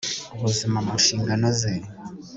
ubuzima mu nshingano ze